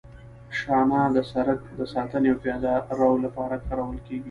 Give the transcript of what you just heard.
شانه د سرک د ساتنې او پیاده رو لپاره کارول کیږي